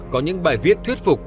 có những bài viết thuyết phục